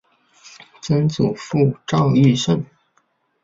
曾祖父赵愈胜。